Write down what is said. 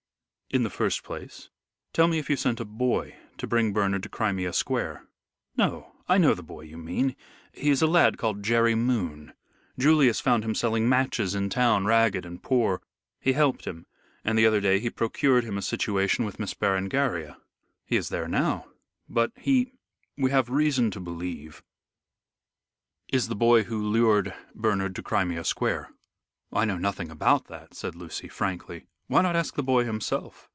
"In the first place, tell me if you sent a boy to bring Bernard to Crimea Square?" "No. I know the boy you mean. He is a lad called Jerry Moon. Julius found him selling matches in town, ragged and poor. He helped him, and the other day he procured him a situation with Miss Berengaria." "He is there now. But he we have reason to believe is the boy who lured Bernard to Crimea Square." "I know nothing about that," said Lucy, frankly. "Why not ask the boy himself?